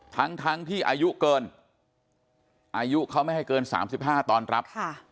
ทั้งที่อายุเกินอายุเขาไม่ให้เกิน๓๕ตอนรับ